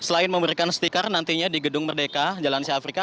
selain memberikan stiker nantinya di gedung merdeka jalan asia afrika